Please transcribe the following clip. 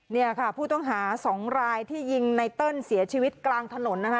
เนี่ยค่ะผู้ต้องหาสองรายที่ยิงไนเติ้ลเสียชีวิตกลางถนนนะคะ